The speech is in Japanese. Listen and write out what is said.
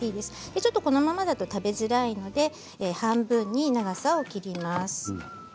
ちょっと、このままだと食べづらいので半分に長さを切ります。